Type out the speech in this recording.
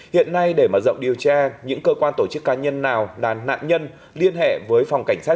hiện nay để mở rộng điều tra những cơ quan tổ chức cá nhân nào là nạn nhân liên hệ với phòng cảnh sát